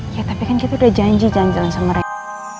ya tapi kan kita udah janji janjian sama mereka